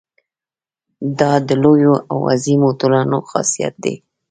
دا د لویو او عظیمو ټولنو خاصیت دی.